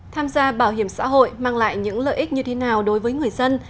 tham gia bảo hiểm xã hội mang lại những lợi ích như thế nào đối với người dân